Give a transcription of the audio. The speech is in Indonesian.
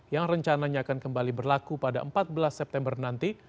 yang rencananya akan kembali berlaku pada empat belas september nanti